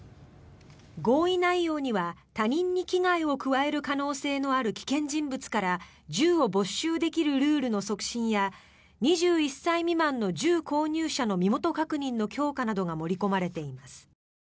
合意内容には他人に危害を加える可能性のある危険人物から銃を没収できるルールの促進や２１歳未満の銃購入者の身元確認の強化などが盛り込まれています。